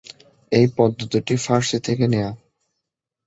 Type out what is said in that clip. এই পদ্ধতিটি ফার্সি থেকে নেয়া।